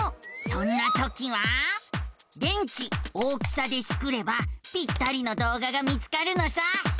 そんなときは「電池大きさ」でスクればぴったりの動画が見つかるのさ。